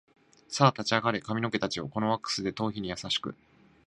さあ立ち上がれ髪の毛たちよ、このワックスで頭皮に優しく